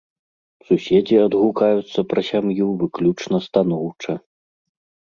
Суседзі адгукаюцца пра сям'ю выключна станоўча.